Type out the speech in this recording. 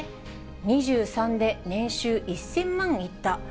２３で年収１０００万いった。